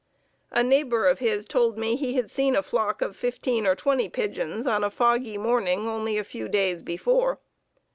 A neighbor of his told me he had seen a flock of fifteen or twenty pigeons on a foggy morning only a few days before.